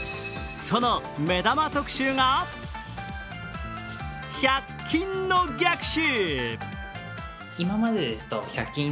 その目玉特集が、１００均の逆襲。